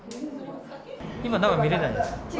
今、見れないです。